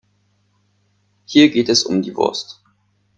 Hier geht es um die Wurst.